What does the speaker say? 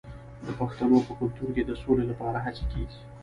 د پښتنو په کلتور کې د سولې لپاره هڅې کیږي.